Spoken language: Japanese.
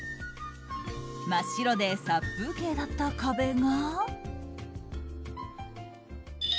真っ白で殺風景だった壁が。